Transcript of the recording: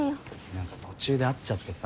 何か途中で会っちゃってさ。